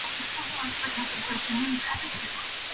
Ganda la limao kwa ajili ya harufu nzuri